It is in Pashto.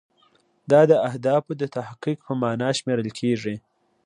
دا د اهدافو د تحقق په معنا شمیرل کیږي.